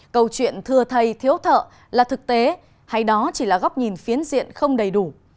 câu chuyện thừa thầy thiếu thợ là thực tế hay đó chỉ là góc nhìn phiến diện không đầy đủ